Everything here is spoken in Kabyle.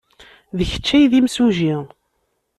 D kečč ay d imsujji.